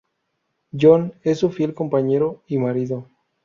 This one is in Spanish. John es su fiel compañero y marido.